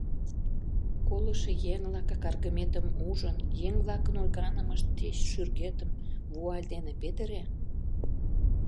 Колышо еҥла какаргыметым ужын, еҥ-влакын ойганымышт деч шӱргетым вуаль дене петыре.